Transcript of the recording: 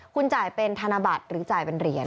คุณจ่ายเป็นธนบัตรหรือจ่ายเป็นเหรียญ